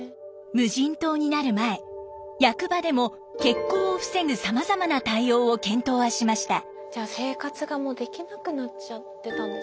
無人島になる前役場でも欠航を防ぐさまざまな対応を検討はしました。